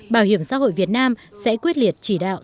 bảo hiểm xã hội việt nam sẽ quyết liệt chỉ đạo